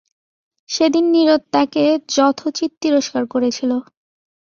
সেদিন নীরদ তাকে যথোচিত তিরস্কার করেছিল।